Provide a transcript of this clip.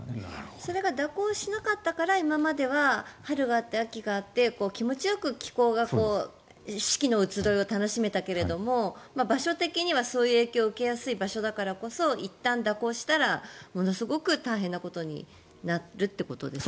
それが蛇行しなかったから今までは春があって秋があって気持ちよく気候が四季の移ろいを楽しめたけれど場所的にはそういう影響を受けやすい場所だからこそいったん蛇行したらものすごく大変なことになるということですね。